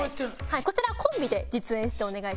こちらはコンビで実演してお願いします。